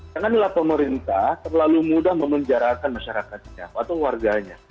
janganlah pemerintah terlalu mudah memenjarakan masyarakatnya atau warganya